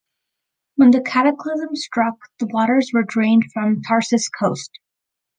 When the Cataclysm struck, the waters were drained from Tarsis coast.